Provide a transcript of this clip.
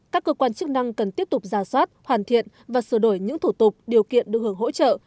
các cơ quan chức năng cần tiếp tục ra soát hoàn thiện và sửa đổi những thủ tục điều kiện được hưởng hỗ trợ